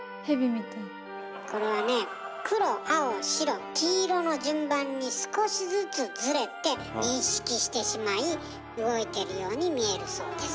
黒青白黄色の順番に少しずつずれて認識してしまい動いてるように見えるそうです。